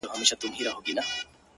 o د غلا په جرم به پاچاصاب محترم نیسې،